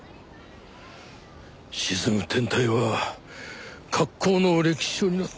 『沈む天体』は格好の歴史書になった。